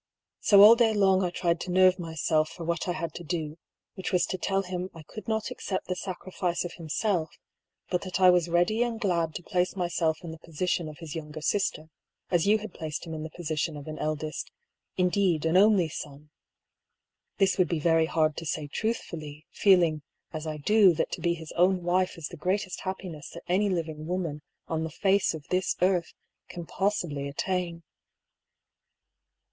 So all day long I tried to nerve myself for what I had to do, which was to tell him I could not accept the sacrifice of himself, but that I was ready and glad to place myself in the position of his younger sister, as you had placed him in the position of an eldest — indeed, an only son. This would be very hard to say truthfully, feeling, as I do, that to be his own wife is the greatest happiness that any living woman on the face of this earth can possibly attain.